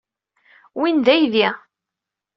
Win d aydi.